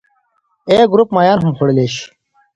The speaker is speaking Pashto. A ګروپ ماهیان هم خوړلی شي.